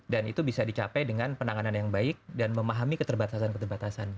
dan itu bisa dicapai dengan penanganan yang baik dan memahami keterbatasan keterbatasan